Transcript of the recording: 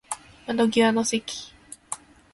窓際の席